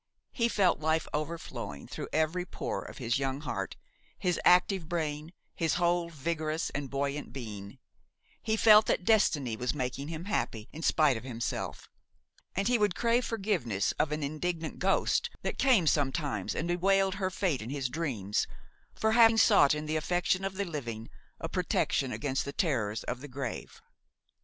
He felt life overflowing through every pore of his young heart, his active brain, his whole vigorous and buoyant being, he felt that destiny was making him happy in spite of himself; and he would crave forgiveness of an indignant ghost that came sometimes and bewailed her fate in his dreams, for having sought in the affection of the living a protection against the terrors of the grave.